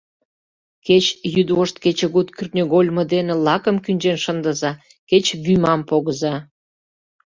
Кеч йӱдвошт-кечыгут кӱртньыгольмо дене лакым кӱнчен шындыза, кеч вӱмам погыза!